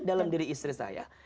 dalam diri istri saya